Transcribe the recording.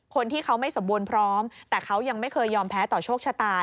คนที่เขาไม่สมบูรณ์พร้อมแต่เขายังไม่เคยยอมแพ้ต่อโชคชะตา